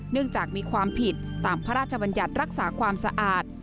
เนื่องจากมีความผิดตามพระราชบัญญัติรักษาความสะอาด